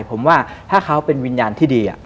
ผมว่าถ้าเขาเป็นวิญญาณที่ดี